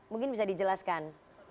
mungkin bisa dijelaskan